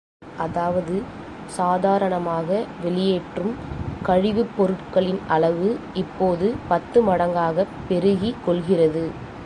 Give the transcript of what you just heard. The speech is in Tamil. அதாவது, சாதாரணமாக வெளியேற்றும் கழிவுப் பொருட்களின் அளவு, இப்போது பத்து மடங்காகப் பெருகி கொள்கிறது.